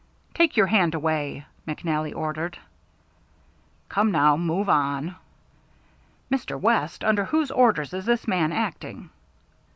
"Take your hand away!" McNally ordered. "Come, now! Move on!" "Mr. West, under whose orders is this man acting?"